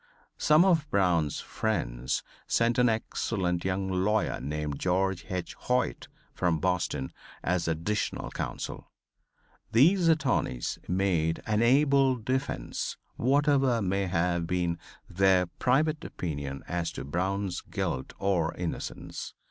Some of Brown's friends sent an excellent young lawyer named George H. Hoyt from Boston, as additional counsel. These attorneys made an able defense, whatever may have been their private opinion as to Brown's guilt or innocence.